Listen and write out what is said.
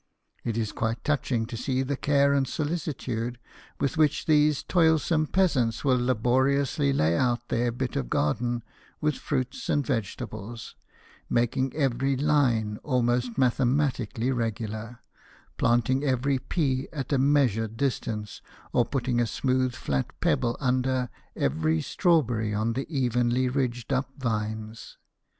It is quite touching to see the care and solicitude with which these toilsome peasants will laboriously lay out their bit of garden with fruits or vegetables, making every line almost mathematically regular, plant ing every pea at a measured distance, or putting a smooth flat pebble under every strawberry on the evenly ridged up vines.